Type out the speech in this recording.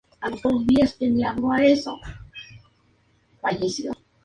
Otros hallazgos en el área incluyen especímenes del "Velociraptor".